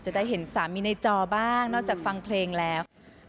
จะได้เห็นสามีในจอบ้างนอกจากฟังเพลงแล้ว